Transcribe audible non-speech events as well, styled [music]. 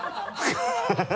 ハハハ [laughs]